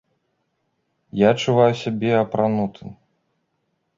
Я адчуваю сябе апранутым.